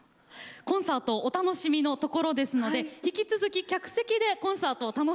コンサートお楽しみのところですので引き続き客席でコンサートを楽しんでいただきたいと思います。